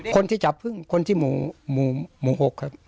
คนที่จับพึ่งคนที่หมู่๖ครับ